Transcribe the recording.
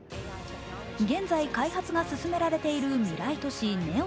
現在、開発が進められている未来都市・ＮＥＯＭ。